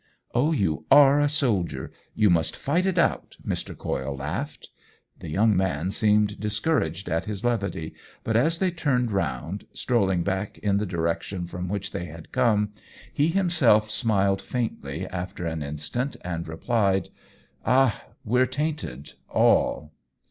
" Oh, you are a soldier ; you must fight it out !" Mr. Coyle laughed. The young man seemed discouraged at his levity, but as they turned round, stroll ing back in the direction from which they had come, he himself smiled faintly after an instant and replied :" Ah, we're tainted— all